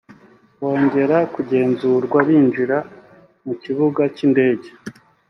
bongera kugenzurwa binjira mu kibuga cy’indege